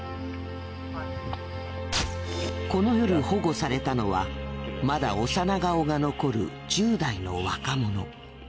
この夜保護されたのはまだ幼顔が残る１０代の若者。